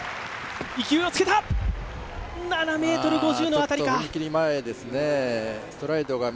７ｍ５０の辺りか。